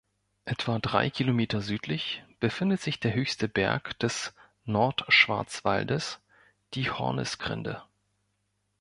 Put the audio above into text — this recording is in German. Etwa drei Kilometer südlich befindet sich der höchste Berg des Nordschwarzwaldes, die Hornisgrinde.